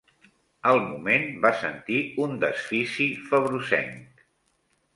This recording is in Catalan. Al moment va sentir un desfici febrosenc